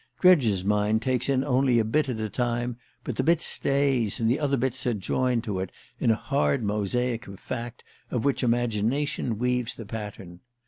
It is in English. Dredge's mind takes in only a bit at a time, but the bit stays, and other bits are joined to it, in a hard mosaic of fact, of which imagination weaves the pattern.